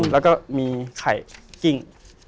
แล้วก็มีไข่กิ้ง